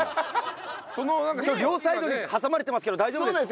今日両サイドに挟まれてますけど大丈夫ですか？